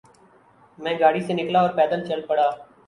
میں گاڑی سے نکلا اور پیدل چل پڑا۔